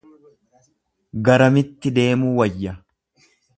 Garamitti deemuu wayya?